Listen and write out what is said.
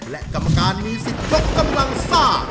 และกรรมการมีสิทธิ์ยกกำลังซ่า